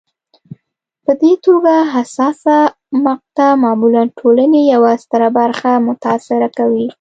په دې توګه حساسه مقطعه معمولا ټولنې یوه ستره برخه متاثره کوي.